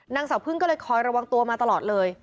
นางสาวพึ่งก็เลยคอยระวังตัวมาตลอดเลย